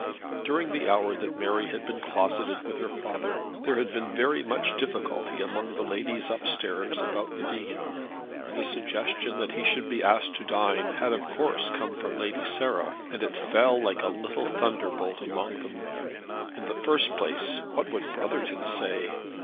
During the hour that Mary had been closeted with her father there had been much difficulty among the ladies upstairs about the Dean. The suggestion that he should be asked to dine had of course come from Lady Sarah, and it fell like a little thunderbolt among them. In the first place, what would Brotherton say?